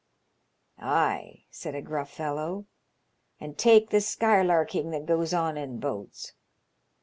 " Ay," said a gruff fellow ; "and take the skylarking that goes on in boats.